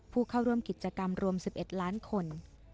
ผู้เข้าร่วมกิจกรรมรวม๑๑ล้านคน